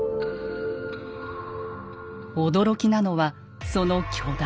驚きなのはその巨大さ。